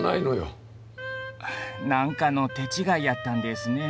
何かの手違いやったんですね。